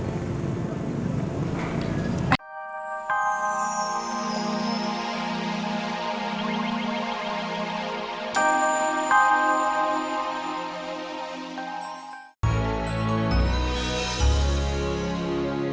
kalo vase berubah bagi richtos kembali